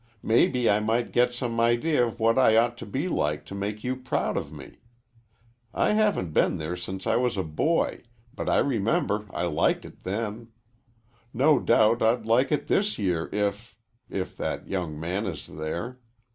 Maybe I might get some idea of what I ought to be like to make you proud of me. I haven't been there since I was a boy, but I remember I liked it then. No doubt I'd like it this year if if that young man is there.